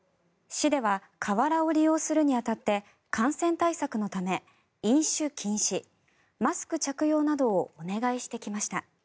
市では河原を利用するに当たって感染対策のため飲酒禁止マスク着用などをお願いしていきました。